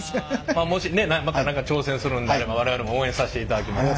まあもしまた何か挑戦するんであれば我々も応援させていただきます。